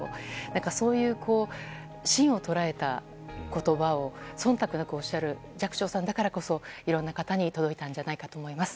そういう芯を捉えた言葉を忖度なくおっしゃる寂聴さんだからこそいろんな方に届いたんじゃないかと思います。